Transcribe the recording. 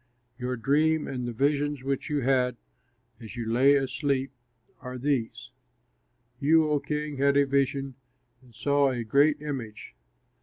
Your dream and the visions which you had as you lay asleep are these: You, O king, had a vision and saw a great image.